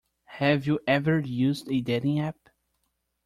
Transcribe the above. Have you ever used a dating app?